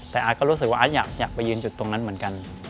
แต่อาร์ตก็รู้สึกว่าอาร์ตอยากไปยืนจุดตรงนั้นเหมือนกัน